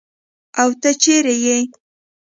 او ته چیرته ئي ؟